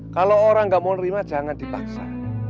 kalau orang nggak mau nerima jangan dipaksa